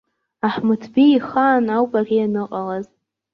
Аҳмыҭбеи ихаан ауп ари аныҟалаз.